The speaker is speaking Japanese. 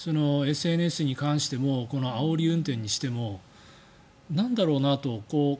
ＳＮＳに関してもあおり運転にしてもなんだろうなと。